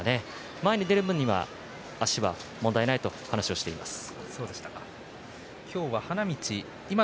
前に出る分には足は問題ないと話をしていました。